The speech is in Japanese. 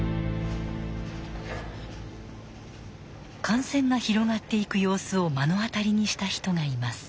感染が広がっていく様子を目の当たりにした人がいます。